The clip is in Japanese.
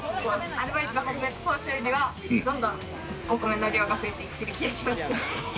アルバイト始めた当初よりはどんどんお米の量が増えていってる気がします。